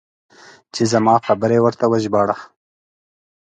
چې زما خبرې ورته وژباړه.